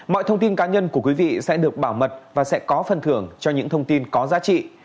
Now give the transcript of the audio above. mọi thông tin cá nhân của quý vị sẽ được bảo mật và sẽ có phần thưởng cho những thông tin có giá trị